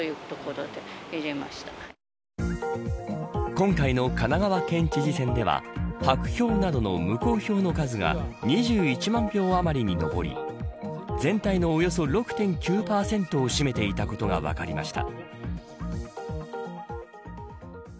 今回の神奈川県知事選では白票などの無効票の数が２１万票余りに上り全体のおよそ６．９％を占めていたことが分かりました。